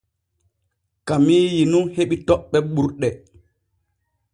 Kamiiyi nun heɓi toɓɓe ɓurɗe.